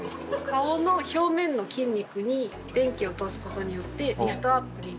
顔の表面の筋肉に電気を通す事によってリフトアップに。